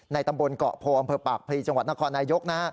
ตำบลเกาะโพอำเภอปากพลีจังหวัดนครนายก